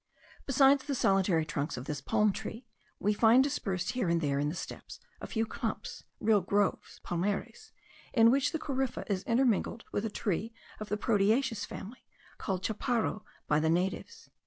Beside the solitary trunks of this palm tree, we find dispersed here and there in the steppes a few clumps, real groves (palmares), in which the corypha is intermingled with a tree of the proteaceous family, called chaparro by the natives.